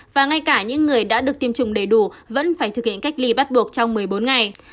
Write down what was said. và ngay cả những người đã được tiêm chủng đầy đủ vẫn phải thực hiện cách ly bắt buộc trong một mươi bốn ngày